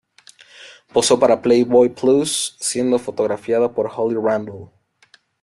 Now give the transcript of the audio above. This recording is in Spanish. Posó para Playboy Plus, siendo fotografiada por Holly Randall.